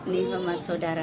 di rumah saudara